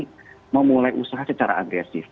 kita memulai usaha secara agresif